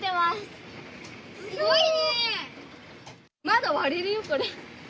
窓割れるよ、これ。